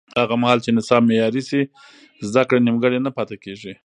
هغه مهال چې نصاب معیاري شي، زده کړه نیمګړې نه پاتې کېږي.